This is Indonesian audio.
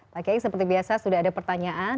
pak kiai seperti biasa sudah ada pertanyaan